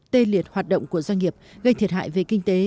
tê liệt hoạt động của doanh nghiệp gây thiệt hại về kinh tế